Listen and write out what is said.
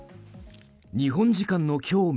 日本時間の今日